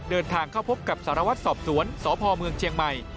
เดินทางเข้าพบกับสารวัตรสอบสวนสพเมืองเชียงใหม่